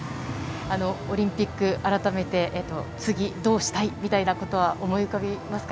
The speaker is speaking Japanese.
オリンピック、あらためて次どうしたいみたいなことは思い浮かびますか？